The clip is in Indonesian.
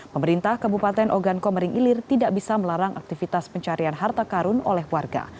pemerintah kabupaten ogan komering ilir tidak bisa melarang aktivitas pencarian harta karun oleh warga